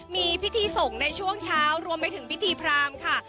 มีพิธีส่งในช่วงเช้ารวมไปถึงพิธีพรามค่ะ